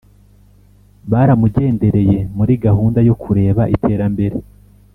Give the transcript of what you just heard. baramugendereye muri gahunda yo kureba iterambere